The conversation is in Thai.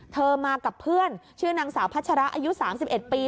มากับเพื่อนชื่อนางสาวพัชระอายุ๓๑ปี